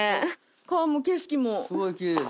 川も景色も。